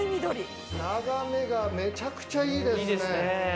眺めがめちゃくちゃいいですね。